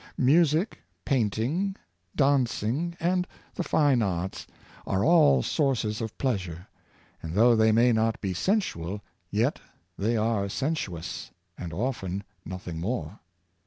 Mu sic, painting, dancing, and the fine arts, are all sources of pleasure; and though they may not be sensual, yet they are sensuous, and often nothing more.